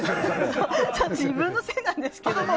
自分のせいなんですけどね。